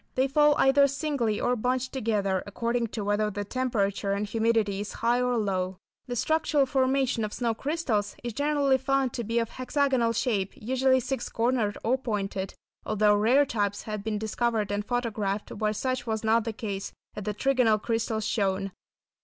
They fall either singly or bunched together, according to whether the temperature and humidity is high or low. The structural formation of snow crystals is generally found to be of hexagonal shape, usually six cornered or pointed, although rare types have been discovered and photographed where such was not the case, as the trigonal crystals shown.